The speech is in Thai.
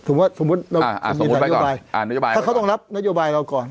ถูกว่าสมมุติอ่าสมมุติไปก่อนอ่านโยบายถ้าเขาต้องรับนโยบายเราก่อน